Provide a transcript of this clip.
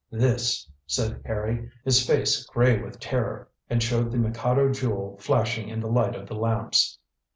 "This," said Harry, his face grey with terror, and showed the Mikado Jewel flashing in the light of the lamps.